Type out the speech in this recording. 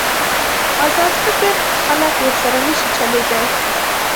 ازاد فکر خلک ورسره نشي چلېدای.